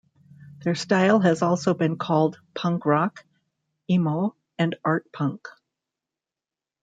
Their style has also been called punk rock, emo and art punk.